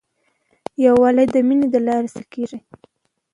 یووالی د مینې له لارې ساتل کېږي.